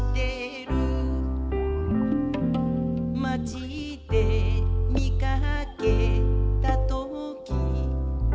「町でみかけたとき」